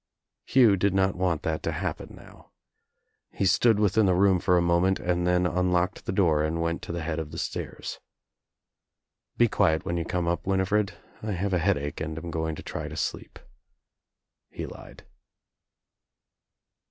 Hugh did not want that to happen now. He stood within the room for a moment and then unlocked the door and went to the head of the stairs. "Be quiet when you come up, Winifred. I have a headache and am going to try to sleep," he lied.